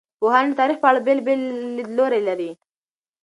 پوهان د تاریخ په اړه بېلابېل لیدلوري لري.